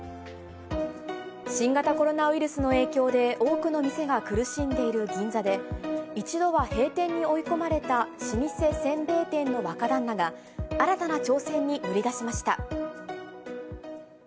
新型コロナウイルスの影響で、多くの店が苦しんでいる銀座で、一度は閉店に追い込まれた老舗せんべい店の若旦那が、新たな挑戦に乗り出しました。